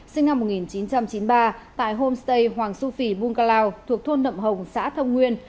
sinh năm một nghìn chín trăm chín mươi ba tại homestay hoàng su phì bungalow thuộc thôn nậm hồng xã thông nguyên